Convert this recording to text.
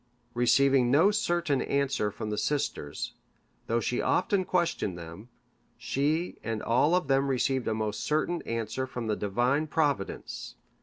Receiving no certain answer from the sisters, though she often questioned them, she and all of them received a most certain answer from the Divine Providence.